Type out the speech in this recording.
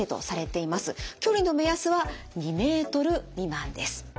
距離の目安は２ｍ未満です。